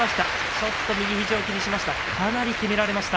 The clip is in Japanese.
ちょっと右肘を気にしました。